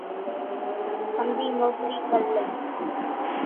کنڌِي موڪرِي ڪرِ لئِي۔